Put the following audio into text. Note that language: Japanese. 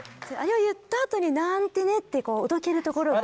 言った後に「なんてね！」っておどけるところが。